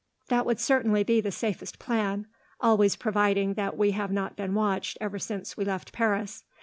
"That would certainly be the safest plan, always providing that we have not been watched ever since we left Paris.